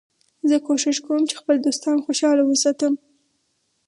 زه کوښښ کوم چي خپل دوستان خوشحاله وساتم.